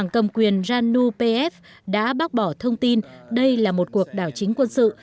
cầm quyền ranu pf đã bác bỏ thông tin đây là một cuộc đảo chính quân sự